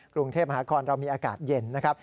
กรุงเทพมหานครเรามีอากาศเย็นนะครับ